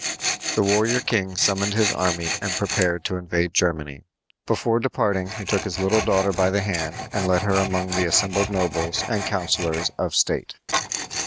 The warrior king summoned his army and prepared to invade Germany. Before departing he took his little daughter by the hand and led her among the assembled nobles and councilors of state.